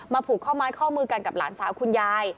ผูกข้อไม้ข้อมือกันกับหลานสาวคุณยาย